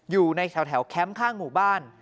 อยู่ในแถวแคมป์ข้างหมู่บ้าน